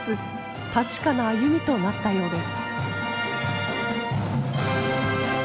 確かな歩みとなったようです。